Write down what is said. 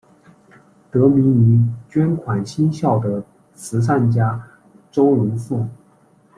得名于捐款兴校的慈善家周荣富。